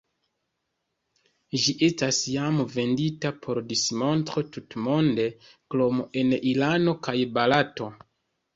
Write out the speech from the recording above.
Ĝi estas jam vendita por dismontro tutmonde, krom en Irano kaj Barato.